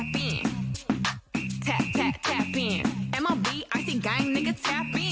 เป็นยักษ์